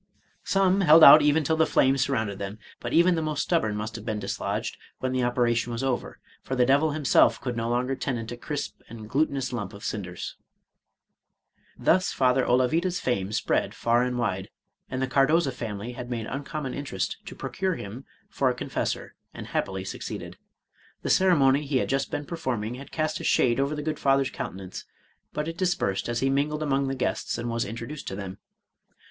Some held out even till the flames surrounded them; but even the most stubborn must have been dislodged when the operation was over, for the devil himself could no longer tenant a crisp and glutinous lump of cinders. Thus Father Olavida's fame spread far and wide, and the Cardoza family had made uncommon interest to procure him for a Con fessor, and happily succeeded. The ceremony he had just been performing had cast a shade over the good Father's countenance, but it dispersed as he mingled among the guests, and was introduced to them.